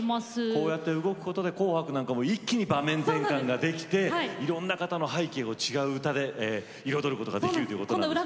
こうやって動くことで「紅白」なんかも一気に場面転換ができていろんな方の背景を違う歌で彩ることができるということなんですよね。